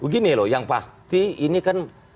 begini loh yang pasti ini kan